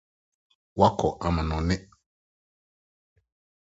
Wakɔ amannɔne.